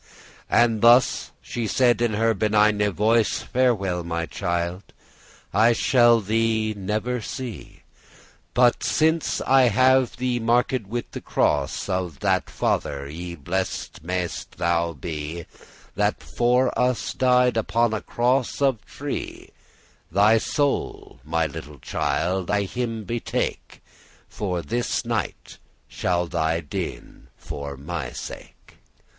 And thus she said in her benigne voice: Farewell, my child, I shall thee never see; But since I have thee marked with the cross, Of that father y blessed may'st thou be That for us died upon a cross of tree: Thy soul, my little child, I *him betake,* *commit unto him* For this night shalt thou dien for my sake.